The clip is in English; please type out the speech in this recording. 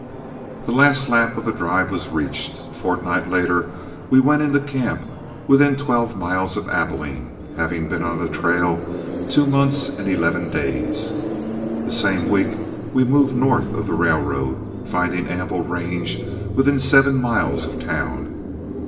The last lap of the drive was reached. A fortnight later we went into camp within twelve miles of Abilene, having been on the trail two months and eleven days. The same week we moved north of the railroad, finding ample range within seven miles of town.